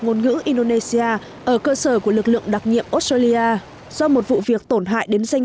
ngôn ngữ indonesia ở cơ sở của lực lượng đặc nhiệm australia do một vụ việc tổn hại đến danh